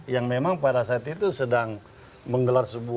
yang memang pada saat itu sedang menggelar sebuah